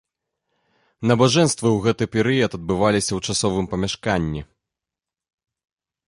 Набажэнствы ў гэты перыяд адбываліся ў часовым памяшканні.